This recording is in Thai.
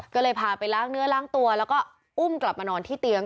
ก็เลยพาไปล้างเนื้อล้างตัวแล้วก็อุ้มกลับมานอนที่เตียง